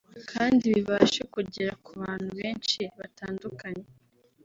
kandi bibashe kugera ku bantu benshi batandukanye